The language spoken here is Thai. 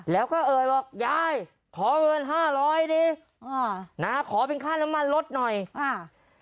แล้วก็เอ่ยบอกยายขอเงินห้าร้อยดิอ่านะขอเป็นค่าน้ำมันลดหน่อยอ่า